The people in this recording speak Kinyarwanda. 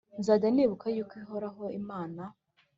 Nzajya nibuka yuko ihoraho imana